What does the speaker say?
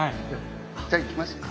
じゃあ行きましょうか。